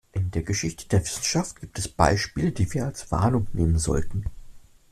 In der Geschichte der Wissenschaft gibt es Beispiele, die wir als Warnung nehmen sollten.